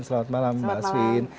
selamat malam mas fin